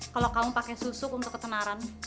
kalo kamu pake susuk untuk ketenaran